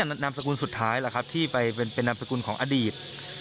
นามสกุลสุดท้ายล่ะครับที่ไปเป็นนามสกุลของอดีต